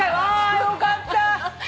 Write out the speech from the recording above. あよかった。